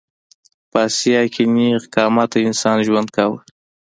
په اسیا کې نېغ قامته انسان ژوند کاوه.